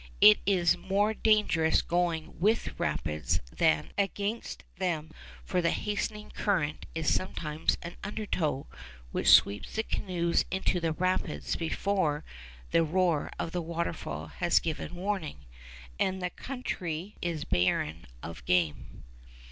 It is more dangerous going with rapids than against them; for the hastening current is sometimes an undertow, which sweeps the canoes into the rapids before the roar of the waterfall has given warning. And the country is barren of game.